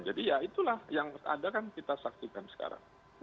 jadi ya itulah yang ada kan kita saksikan sekarang